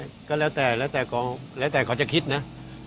ส่วนกองปราบเค้าได้มนุษยาการยังไง